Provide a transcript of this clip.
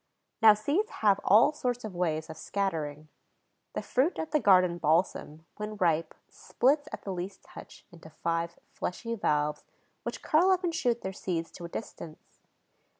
Now seeds have all sorts of ways of scattering. The fruit of the garden balsam, when ripe, splits, at the least touch, into five fleshy valves, which curl up and shoot their seeds to a distance.